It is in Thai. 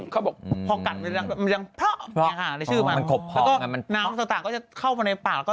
เขาบอกพอกัดมันยังเพราะในชื่อมามันกบแล้วก็น้ำต่างก็จะเข้ามาในปากก็